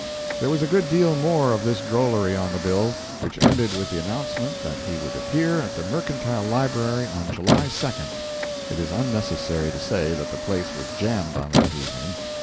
There was a good deal more of this drollery on the bill, which ended with the announcement that he would appear at the Mercantile Library on July 2d. It is unnecessary to say that the place was jammed on that evening.